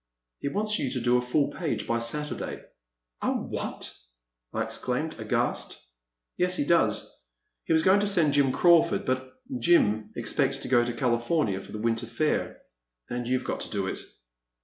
He wants you to do a full page by Saturday." A what ?" I exclaimed, aghast. *' Yes he does — he was going to send Jim Craw ford, but Jim expects to go to California for the winter fair, and you 've got to do it."